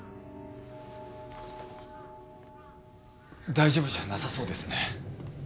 大丈夫じゃなさそうですね。